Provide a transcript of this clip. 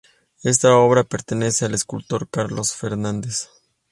Esta obra pertenece al escultor Carlos Fernández.